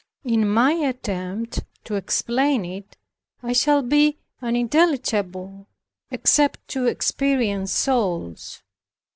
In my attempt to explain it, I shall be unintelligible, except to experienced souls.